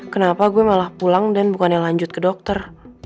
kenapa gue malah pulang dan bukannya lanjut ke dokter